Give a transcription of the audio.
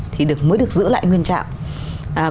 thì mới được giữ lại nguyên trạng